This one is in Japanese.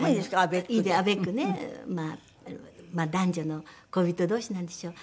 まあ男女の恋人同士なんでしょう。